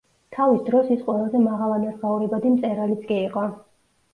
თავის დროს ის ყველაზე მაღალანაზღაურებადი მწერალიც კი იყო.